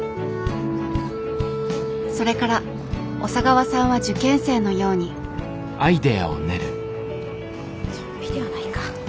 それから小佐川さんは受験生のようにゾンビではないか。